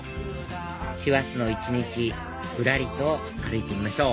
師走の一日ぶらりと歩いてみましょう